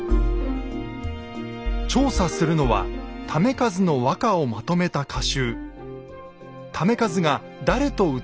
調査するのは為和の和歌をまとめた歌集。